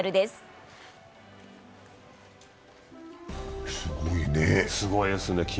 すごいね。